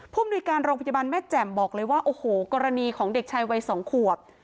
มนุยการโรงพยาบาลแม่แจ่มบอกเลยว่าโอ้โหกรณีของเด็กชายวัย๒ขวบ